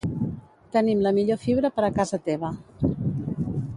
Tenim la millor fibra per a casa teva